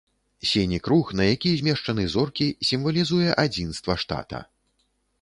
Сіні круг, на які змешчаны зоркі, сімвалізуе адзінства штата.